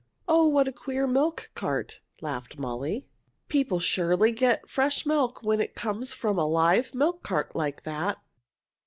"Oh, what a queer milk cart!" laughed Molly. "People surely get fresh milk when it comes from a live milk cart like that."